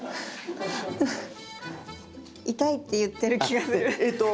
「痛い」って言ってる気がする。